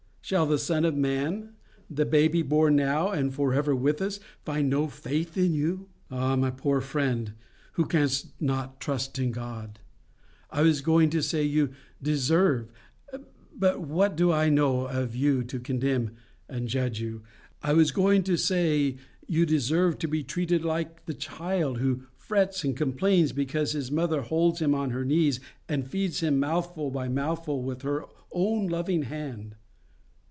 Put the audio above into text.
Shall the Son of man, the baby now born, and for ever with us, find no faith in you? Ah, my poor friend, who canst not trust in God—I was going to say you DESERVE—but what do I know of you to condemn and judge you?—I was going to say, you deserve to be treated like the child who frets and complains because his mother holds him on her knee and feeds him mouthful by mouthful with her own loving hand.